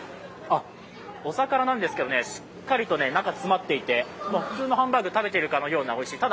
お魚なんですけどしっかりと中、詰まっていて普通のハンバーグを食べているかのようにおいしいです。